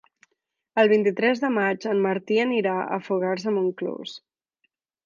El vint-i-tres de maig en Martí anirà a Fogars de Montclús.